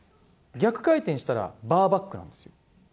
逆回転したらバーバックなんですよ。